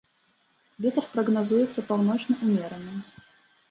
Вецер прагназуецца паўночны ўмераны.